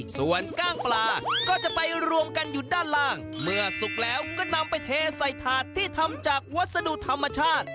ส่วนกล้างปลาก็จะไปรวมกันอยู่ด้านล่างเมื่อสุกแล้วก็นำไปเทใส่ถาดที่ทำจากวัสดุธรรมชาติ